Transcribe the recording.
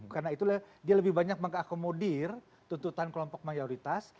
karena itulah dia lebih banyak mengakomodir tuntutan kelompok mayoritas